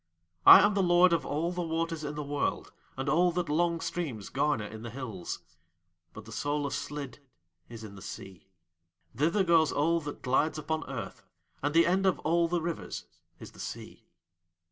I am the Lord of all the waters in the world and all that long streams garner in the hills; but the soul of Slid is in the Sea. Thither goes all that glides upon Earth, and the end of all the rivers is the Sea."